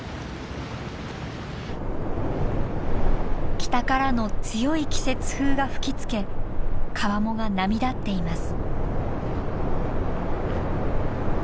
北からの強い季節風が吹きつけ川面が波立っています。